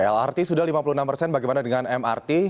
lrt sudah lima puluh enam persen bagaimana dengan mrt